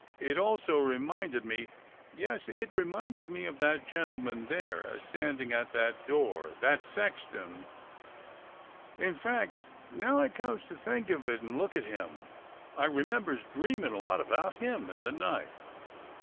It also reminded me — yes, it reminded me of that gentleman there, a standing at that door — that sexton; in fact, now I comes to think of it and look at him, I remembers dream ing a lot about him in the night."